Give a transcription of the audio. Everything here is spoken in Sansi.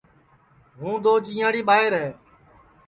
ہُوں دؔو جِئیئاڑی ٻائیر ہے